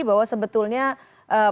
bahwa sebetulnya presiden